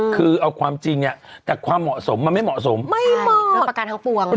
คือเอาความจริงเนี่ยแต่ความเหมาะสมมันไม่เหมาะสมไม่เหมาะกับประกันทั้งปวง